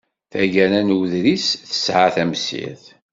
Tagara n uḍris tesɛa tamsirt.